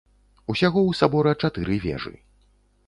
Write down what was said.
Усяго ў сабора чатыры вежы.